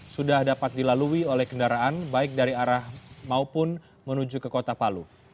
sudah dapat dilalui oleh kendaraan baik dari arah maupun menuju ke kota palu